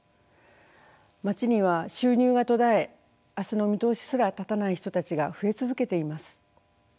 町には収入が途絶え明日の見通しすら立たない人たちが増え続けています。